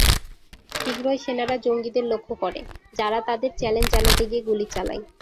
শীঘ্রই সেনারা জঙ্গিদের লক্ষ্য করে, যারা তাদের চ্যালেঞ্জ জানাতে গিয়ে গুলি চালায়।